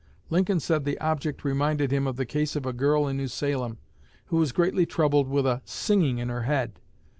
Lincoln said the object reminded him of the case of a girl in New Salem, who was greatly troubled with a "singing" in her head.